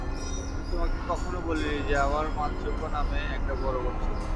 আমি তোমাকে কখনো বলিনি যে আমার মাতসুকো নামে একটা বড় বোন ছিল।